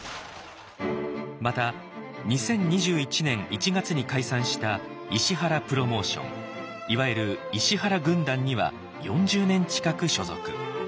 また２０２１年１月に解散した石原プロモーションいわゆる「石原軍団」には４０年近く所属。